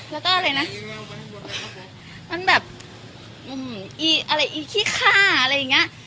แล้วก็อะไรนะมันแบบอืมอะไรอะไรอย่างเงี้ย